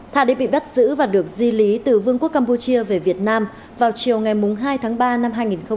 tha đã bị bắt giữ và được di lý từ vương quốc campuchia về việt nam vào chiều hai tháng ba năm hai nghìn một mươi chín